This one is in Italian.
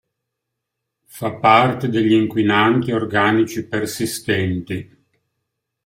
Fa parte degli inquinanti organici persistenti.